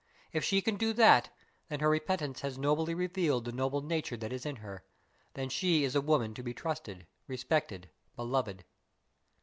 If she can do that, then her repentance has nobly revealed the noble nature that is in her; then she is a woman to be trusted, respected, beloved."